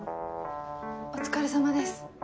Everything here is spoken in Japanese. お疲れさまです。